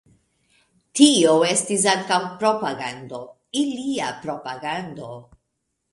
Tio estis ankaŭ propagando – ilia propagando.